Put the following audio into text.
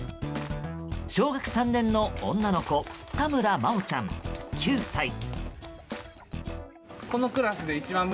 小学３年の女の子田村茉織ちゃん、９歳。